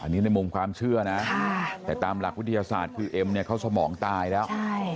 อันนี้ในมุมความเชื่อนะแต่ตามหลักวิทยาศาสตร์คือเอ็มเนี่ยเขาสมองตายแล้ว